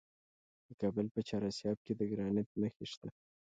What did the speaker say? د کابل په چهار اسیاب کې د ګرانیټ نښې شته.